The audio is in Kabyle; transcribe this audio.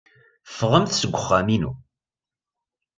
Ffɣemt seg uxxam-inu.